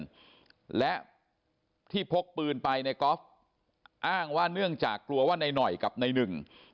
ไม่มีทะเบียนและที่พกปืนไปในกรอฟต์อ้างว่าเนื่องจากกลัวว่าในหน่อยกับในหนึ่ง